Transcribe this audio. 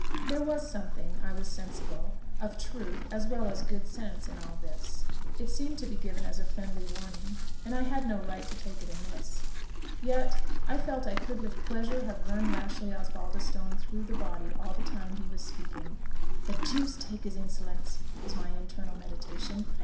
There was something, I was sensible, of truth, as well as good sense, in all this; it seemed to be given as a friendly warning, and I had no right to take it amiss; yet I felt I could with pleasure have run Rashleigh Osbaldistone through the body all the time he was speaking. "The deuce take his insolence!" was my internal meditation.